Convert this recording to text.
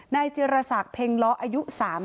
จิรษักเพ็งล้ออายุ๓๐